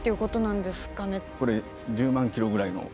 これ１０万キロぐらいの。